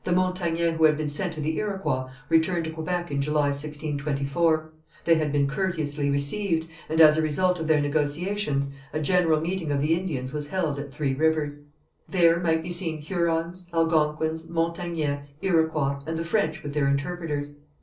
The Montagnais who had been sent to the Iroquois returned to Quebec in July, 1624. They had been courteously received, and as a result of their negotiations, a general meeting of the Indians was held at Three Rivers. There might be seen Hurons, Algonquins, Montagnais, Iroquois, and the French with their interpreters.